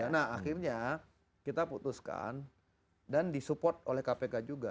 nah akhirnya kita putuskan dan disupport oleh kpk juga